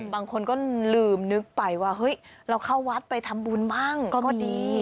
บางคนก็ลืมนึกไปว่าเฮ้ยเราเข้าวัดไปทำบุญบ้างก็ดี